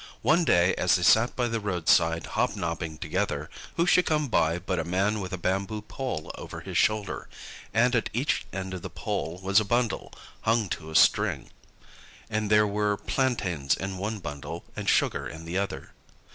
One day, as they sat by the roadside hobnobbing together, who should come by but a man with a bamboo pole over his shoulder, and at each end of the pole was a bundle hung to a string; and there were plantains in one bundle, and sugar in the other.